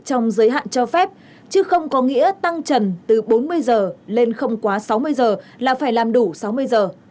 trong giới hạn cho phép chứ không có nghĩa tăng trần từ bốn mươi giờ lên không quá sáu mươi giờ là phải làm đủ sáu mươi giờ